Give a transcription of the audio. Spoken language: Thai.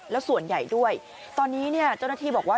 แล้วส่วนใหญ่ด้วยตอนนี้เนี่ยเจ้าหน้าที่บอกว่า